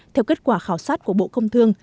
theo kết quả khảo sát của bộ công thương